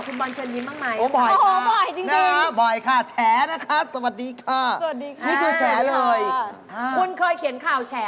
คือของกินอย่างเดียวเท่านั้น